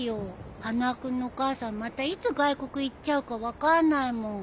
花輪君のお母さんまたいつ外国行っちゃうか分かんないもん。